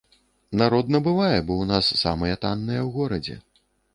Народ набывае, бо ў нас самыя танныя ў горадзе.